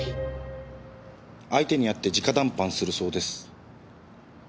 相手に会って直談判するそうです。